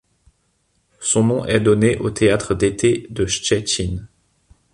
Son nom est donné au Théâtre d'été de Szczecin.